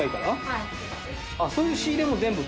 はい。